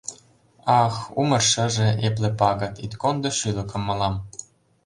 Ах, умыр шыже, эпле пагыт, Ит кондо шӱлыкым мылам!